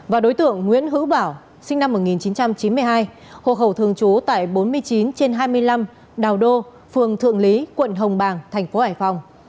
và đối tượng nguyễn hữu bảo sinh năm một nghìn chín trăm chín mươi hai hộ khẩu thường trú tại bốn mươi chín trên hai mươi năm đào đô phường thượng lý quận hồng bàng thành phố hải phòng